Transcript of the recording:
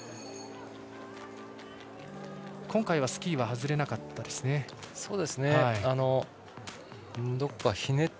今回はスキーは外れなかったですね。